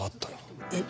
えっ！